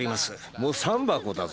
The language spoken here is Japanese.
もう３箱だぞ。